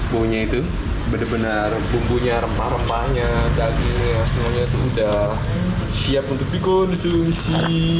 baunya itu benar benar bumbunya rempah rempahnya dagingnya semuanya itu udah siap untuk dikonsumsi